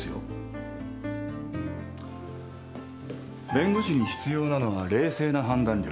弁護士に必要なのは冷静な判断力。